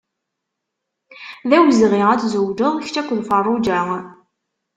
D awezɣi ad tzewǧeḍ kečč akked Ferruǧa.